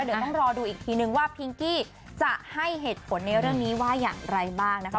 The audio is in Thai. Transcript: เดี๋ยวต้องรอดูอีกทีนึงว่าพิงกี้จะให้เหตุผลในเรื่องนี้ว่าอย่างไรบ้างนะคะ